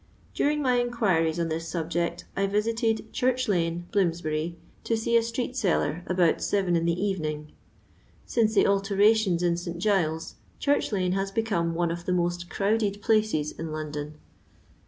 During my inquiries on this subject, I visited Church lane, Bloomsbury, to see a street seller, about seven in the evening. Since the alterations in St Giles's, Church lane has become one of the most crowded places in London.